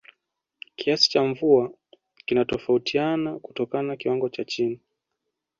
Kiasi cha mvua kinatofautiana kutoka kiwango cha chini